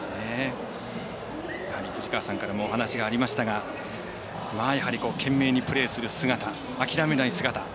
藤川さんからもお話がありましたが懸命にプレーする姿諦めない姿。